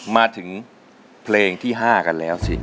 มาถึงเพลงที่๕กันแล้วสิ